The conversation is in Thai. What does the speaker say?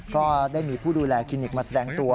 ก็ได้มีผู้ดูแลคลินิกมาแสดงตัว